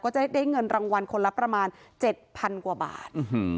ก็จะได้เงินรางวัลคนละประมาณ๗๐๐กว่าบาท